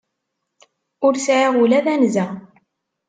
Ur sɛiɣ ula d anza.